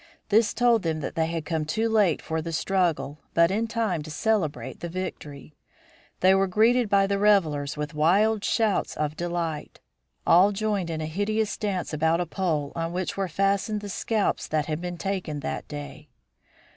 This told them they had come too late for the struggle, but in time to celebrate the victory. They were greeted by the revelers with wild shouts of delight. All joined in a hideous dance about a pole on which were fastened the scalps that had been taken that day.